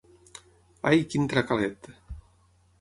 Ai, quin tracalet!